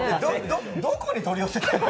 ど、どこに取り寄せてんの？